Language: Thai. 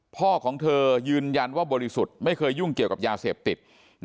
พ่อของเธอยืนยันว่าบริสุทธิ์ไม่เคยยุ่งเกี่ยวกับยาเสพติด